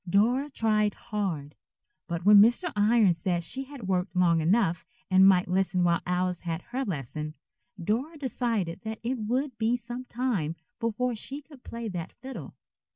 Dora tried hard, but when Mr. Irons said she had worked long enough and might listen while Alice had her lesson, Dora decided that it would be some time before she could play that fiddle.